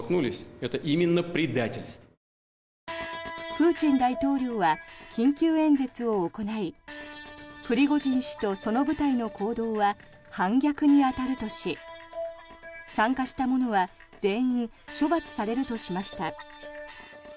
プーチン大統領は緊急演説を行いプリゴジン氏とその部隊の行動は反逆に当たるとし参加した者は全員処罰されるとしました。